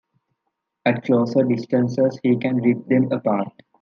At closer distances he can rip them apart.